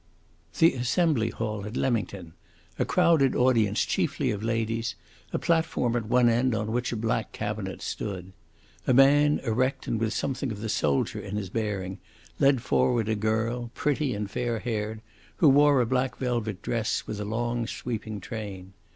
The Assembly Hall at Leamington, a crowded audience chiefly of ladies, a platform at one end on which a black cabinet stood. A man, erect and with something of the soldier in his bearing, led forward a girl, pretty and fair haired, who wore a black velvet dress with a long, sweeping train.